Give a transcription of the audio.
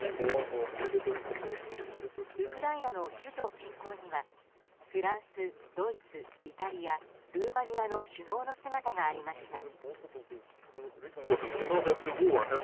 ウクライナの首都近郊にはフランス、ドイツ、イタリアルーマニアの首脳の姿がありました。